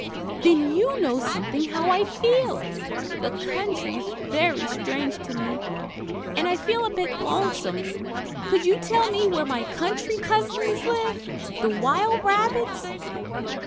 "Then you know something how I feel. The country's very strange to me, and I feel a bit lonesome. Could you tell me where my country cousins live the wild rabbits?"